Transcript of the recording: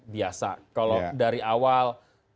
biasa kalau dari awal